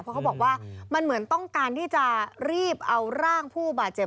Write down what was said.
เพราะเขาบอกว่ามันเหมือนต้องการที่จะรีบเอาร่างผู้บาดเจ็บ